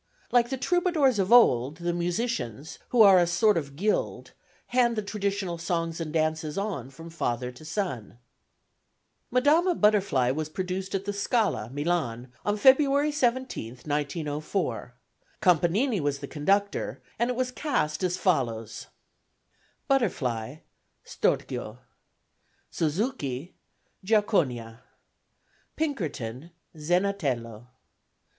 Like the troubadours of old, the musicians, who are a sort of guild, hand the traditional songs and dances on from father to son. Madama Butterfly was produced at the Scala, Milan, on February 17, 1904. Canpanini was the conductor, and it was cast as follows: Butterfly STORCHIO. Suzuki GIACONIA. Pinkerton ZENATELLO.